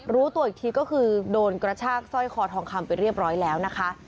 รู้ตัวอีกทีก็คือโดนกระชากสร้อยคอทองคำไปเรียบร้อยแล้วนะคะ